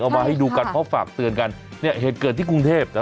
เอามาให้ดูกันเพราะฝากเตือนกันเหตุเกิดที่กรุงเทพฯค่ะอี๊